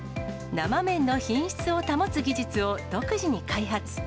生麺の品質を保つ技術を独自に開発。